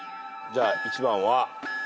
じゃあ１番は。